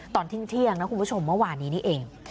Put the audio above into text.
ตอนเที่ยงนะคุณผู้ชมเมื่อวานนี้นี่เอง